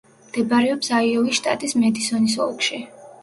მდებარეობს აიოვის შტატის მედისონის ოლქში.